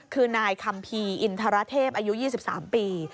คือนายคัมภีร์อินทรเทพอายุ๒๓ปี